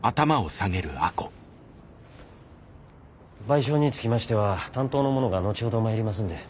賠償につきましては担当の者が後ほど参りますんで。